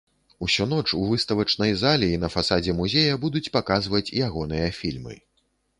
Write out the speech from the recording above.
Усю ноч у выставачнай зале і на фасадзе музея будуць паказваць ягоныя фільмы.